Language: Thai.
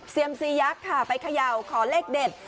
ซียักษ์ค่ะไปเขย่าขอเลขเด็ด